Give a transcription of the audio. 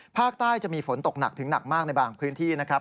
ภาคใต้จะมีฝนตกหนักถึงหนักมากในบางพื้นที่นะครับ